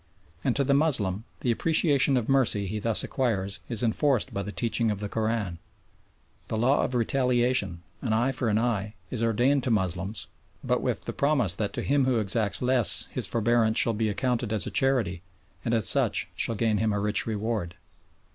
And to the Moslem the appreciation of mercy he thus acquires is enforced by the teaching of the Koran. The law of retaliation, an eye for an eye, is ordained to Moslems, but with the promise that to him who exacts less his forbearance shall be accounted as a charity and as such shall gain him a rich reward.